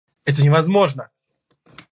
Это невозможно!